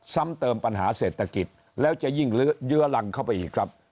ซ้ำเติมปัญหาเศรษฐกิจแล้วจะยิ่งเยื้อรังเข้าไปอีกครับ